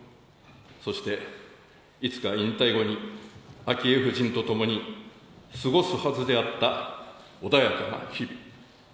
そしていつか引退後に昭恵夫人と共に過ごすはずであった穏やかな日々。